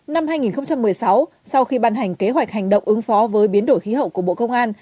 năm hai nghìn một mươi sáu sau khi ban hành kế hoạch hành động ứng phó với biến đổi khí hậu của bộ công an